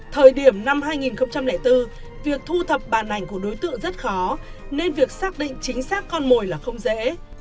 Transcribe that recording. thời điểm năm hai nghìn bốn việc thu thập bàn ảnh của đối tượng rất khó nên việc xác định chính xác con mồi là không dễ